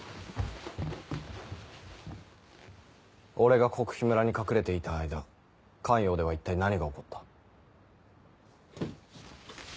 俺が黒卑村に隠れていた間咸陽では一体何が起こった？